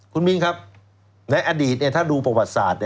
คุณมินครับในอดีตถ้าดูประวัติศาสตร์